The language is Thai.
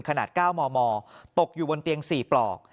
ขนาด๙มมตกอยู่บนเตียง๔ปลอก